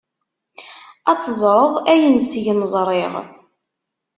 Ad teẓreḍ ayen seg-m ẓriɣ.